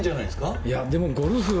いやでもゴルフは。